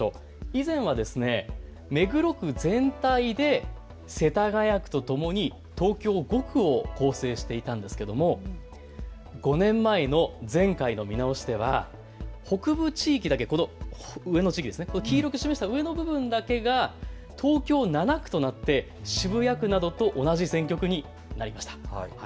以前は目黒区全体で世田谷区とともに東京５区を構成していたんですけれども、５年前の前回の見直しでは北部地域だけ、黄色く示した上の部分だけが東京７区となって渋谷区などと同じ選挙区になりました。